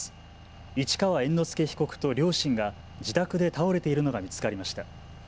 市川猿之助被告と両親が自宅で倒れているのが見つかりました。